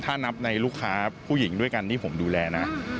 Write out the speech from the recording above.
ถ้านับในลูกค้าผู้หญิงด้วยกันที่ผมดูแลนะ